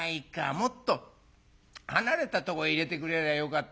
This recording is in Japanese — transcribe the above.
もっと離れたとこ入れてくれりゃよかったのに。